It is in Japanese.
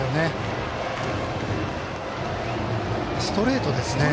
ストレートですね。